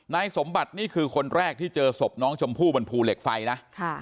นายสมบัตินี่คือคนแรกที่เจอศพน้องชมพู่บนภูเหล็กไฟนะ